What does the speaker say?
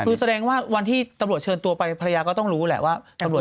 คือแสดงว่าวันที่ตำรวจเชิญตัวไปภรรยาก็ต้องรู้แหละว่าตำรวจ